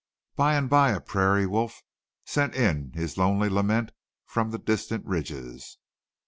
By and by a prairie wolf sent in his lonely lament from the distant ridges.